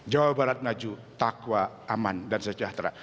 jawa barat maju takwa aman dan sejahtera